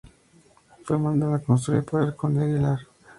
Fue mandada construir por el Conde de Aguilar.